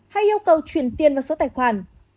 hay yêu cầu truyền tiền vào số tài khoản